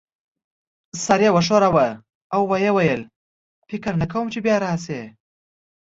سر یې وښوراوه او ويې ویل: فکر نه کوم چي بیا راشې.